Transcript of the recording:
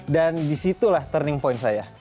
dan disitulah turning point saya